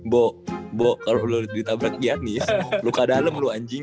bo bo kalau lo ditabrak giannis lo ke dalem lo anjing